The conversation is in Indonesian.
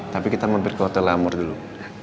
tapi kita mampir ke hotel lamur dulu